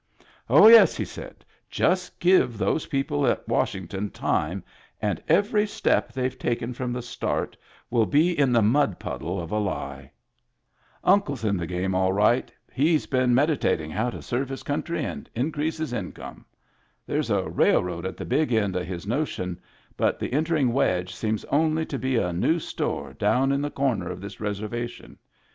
Oh, yes ! he said. " Just give those people at Washington time, and every step they've taken from the start will be in the mud puddle of a lie. Digitized by Google 46 MEMBERS OF THE FAMILY Uncle's in the game all right. He's been medi tating how to serve his country and increase his income. There's a railroad at the big end of his notion, but the entering wedge seems only to be a new store down in the comer of this reserva tion.